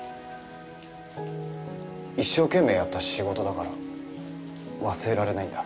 一生懸命やった仕事だから忘れられないんだ。